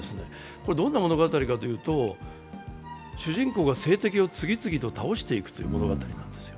これどんな物語かというと、主人公が政敵を次々と倒していくという物語なんです。